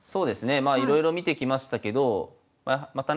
まあいろいろ見てきましたけどまたね